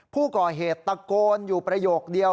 ผู้ก่อเหตุตะโกนอยู่ประโยคเดียว